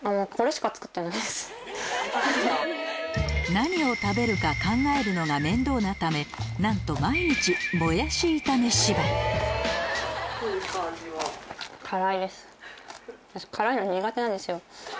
何を食べるか考えるのが面倒なためなんと毎日もやし炒め縛りなんですよ。